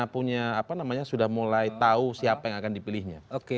punya sudah mulai tahu siapa yang akan dipilihnya